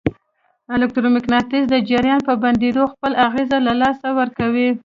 الکترو مقناطیس د جریان په بندېدو خپل اغېز له لاسه ورکوي.